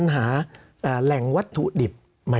สำหรับกำลังการผลิตหน้ากากอนามัย